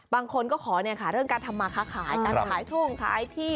บางคนก็ขอเรื่องการทำมาค้าขายการขายทุ่งขายที่